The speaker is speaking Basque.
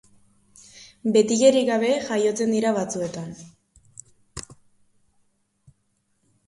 Betilerik gabe jaiotzen dira batzuetan.